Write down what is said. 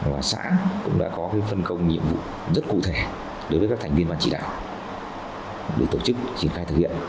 và xã cũng đã có phân công nhiệm vụ rất cụ thể đối với các thành viên ban chỉ đạo để tổ chức triển khai thực hiện